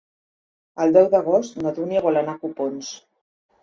El deu d'agost na Dúnia vol anar a Copons.